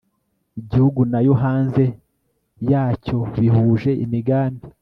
igihugu nayo hanze yacyo bihuje imigambi